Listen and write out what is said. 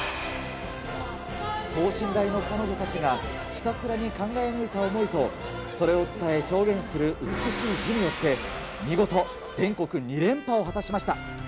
等身大の彼女たちが、ひたすらに考え抜いた思いと、それを伝え表現する美しい字によって、見事、全国２連覇を果たしました。